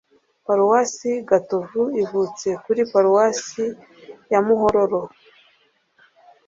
paruwasi gatovu ivutse kuri paruwasi ya muhororo